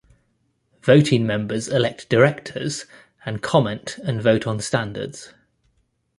Voting members elect Directors and comment and vote on standards.